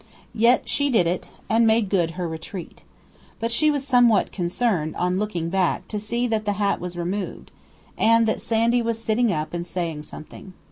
Yet she did it, and made good her retreat. But she was somewhat concerned, on looking back, to see that the hat was removed, and that Sandy was sitting up and saying something.